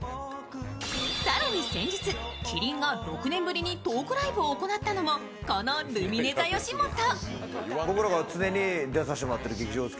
更に先日、麒麟が６年ぶりにトークライブを行ったのも、このルミネｔｈｅよしもと。